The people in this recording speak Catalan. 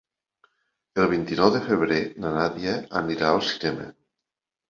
El vint-i-nou de febrer na Nàdia anirà al cinema.